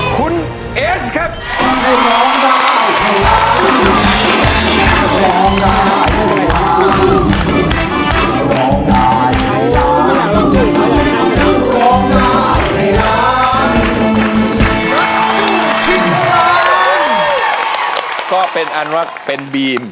คุณเอสครับ